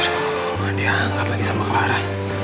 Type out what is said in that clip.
aduh nggak diangkat lagi sama klara